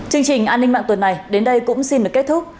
chương trình an ninh mạng tuần này đến đây cũng xin được kết thúc